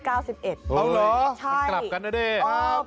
อ๋อเหรอต้องกลับกันแล้วด้วยครับใช่